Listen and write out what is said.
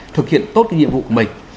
thực hiện tốt nhiệm vụ của mình